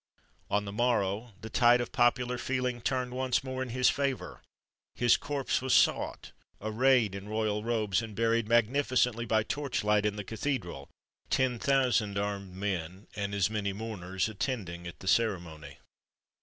On the morrow the tide of popular feeling turned once more in his favour. His corpse was sought, arrayed in royal robes, and buried magnificently by torch light in the cathedral, ten thousand armed men, and as many mourners, attending at the ceremony.